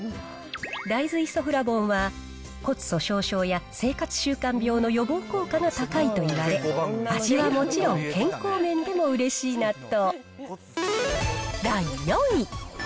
大豆イソフラボンは、骨粗しょう症や生活習慣病の予防効果が高いと言われ、味はもちろん、健康面でもうれしい納豆。